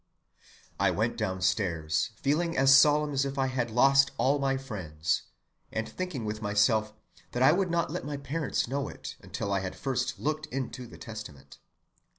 I went downstairs feeling as solemn as if I had lost all my friends, and thinking with myself, that I would not let my parents know it until I had first looked into the Testament.